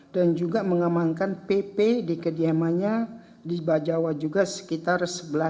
dan juga mengamankan pp di kediamannya di bajawa juga sekitar sebelas empat puluh lima